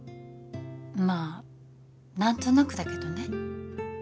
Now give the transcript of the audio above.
まあ何となくだけどね